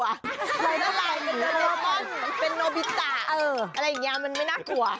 มันเป็นโดรนไลมอนมันเป็นโนวิสตาอะไรอย่างนี้มันไม่น่ากลัว